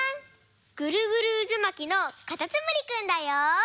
ぐるぐるうずまきのかたつむりくんだよ！